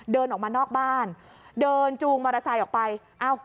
เดินออกมานอกบ้านเดินจูงมอเตอร์ไซค์ออกไปเอ้า